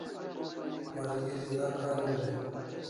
Malgeri za kariu dai